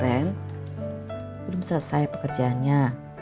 rem belum selesai pekerjaannya